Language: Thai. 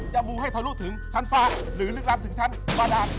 มูให้ทะลุถึงชั้นฟ้าหรือลึกล้ำถึงชั้นบาดาน